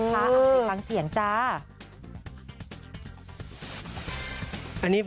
เอาสิ่งฟังเสียงจ้า